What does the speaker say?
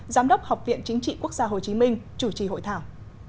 giám đốc học viện chính trị quốc gia hồ chí minh chủ trì hội thảo